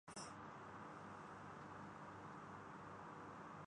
کام شروع کرے میں مشکل آتی ہے